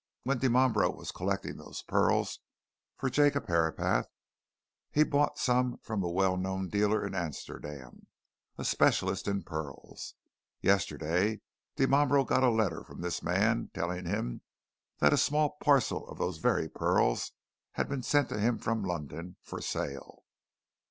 When Dimambro was collecting those pearls for Jacob Herapath he bought some from a well known dealer in Amsterdam, a specialist in pearls. Yesterday, Dimambro got a letter from this man telling him that a small parcel of those very pearls had been sent to him from London, for sale.